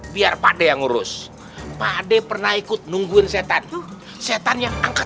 biar pak de yang ngurus pak d pernah ikut nungguin setan setannya angkat